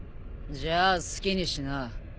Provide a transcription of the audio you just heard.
じゃあ好きにしな。